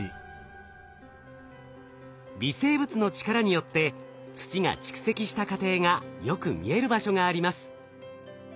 微生物の力によって土が蓄積した過程がよく見える場所があります。